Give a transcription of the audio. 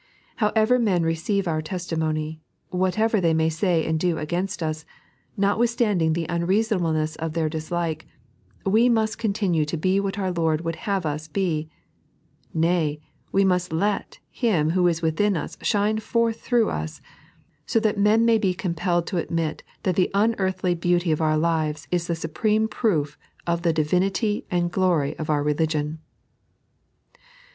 However men receive our testimony, whatever they may say and do against us, notwithstanding the unreasonable ness of their dislike, we must continue to be what our Lord would have us be ; nay, we must let Him who is within us shine forth through us, so that men may be compelled to admit that the unearthly beauty of our lives is the supreme proof of the divinity and glory of our religion.